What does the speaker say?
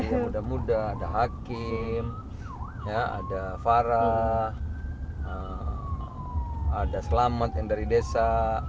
yang muda muda ada hakim ada farah ada selamat yang dari desa